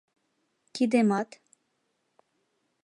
Кидемат.